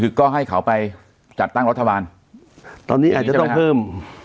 คือก็ให้เขาไปจัดตั้งรัฐบาลตอนนี้อาจจะต้องเพิ่ม